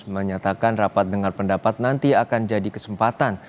menyatakan rapat dengar pendapat nanti akan jadi kesempatan